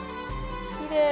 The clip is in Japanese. きれい。